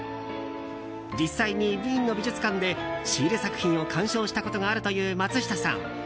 実際にウィーンの美術館でシーレ作品を鑑賞したことがあるという松下さん。